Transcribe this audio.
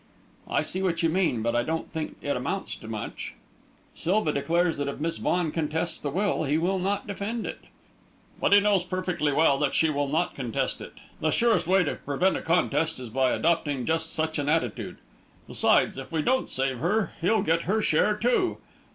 "I see what you mean; but I don't think it amounts to much. Silva declares that if Miss Vaughan contests the will, he will not defend it." "But he knows perfectly well that she will not contest it. The surest way to prevent a contest is by adopting just such an attitude. Besides, if we don't save her, he'll get her share, too.